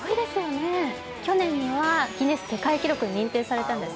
去年にはギネス世界記録に認定されたんです。